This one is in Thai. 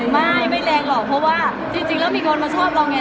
ไม่ไม่แรงหรอกเพราะว่าจริงแล้วมีคนมาชอบเราไง